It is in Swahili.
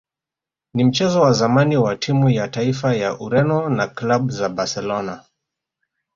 ni mchezaji wa zamani wa timu ya taifa ya Ureno na klabu za Barcelona